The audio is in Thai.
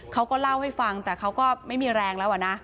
เขาก็เล่าให้ฟังแต่เขาก็ไม่มีแรงแล้วอะนะ